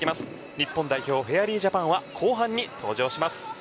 日本代表フェアリージャパンは後半に登場します。